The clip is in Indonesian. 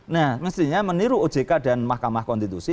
nah mestinya meniru ojk dan mahkamah konstitusi